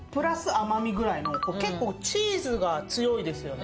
甘みぐらいの結構チーズが強いですよね。